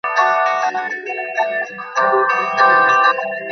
দস্যুপতি নিকটে আসিয়া জানু পাতিয়া নত হইয়া আহতের মুখের দিকে নিরীক্ষণ করিলেন।